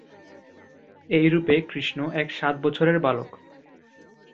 এই রূপে কৃষ্ণ এক সাত বছরের বালক।